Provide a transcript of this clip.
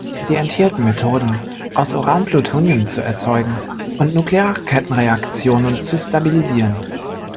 Sie enthielten Methoden, aus Uran Plutonium zu erzeugen und nukleare Kettenreaktionen zu stabilisieren.